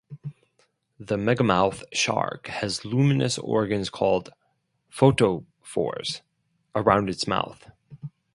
The megamouth shark has luminous organs called photophores around its mouth.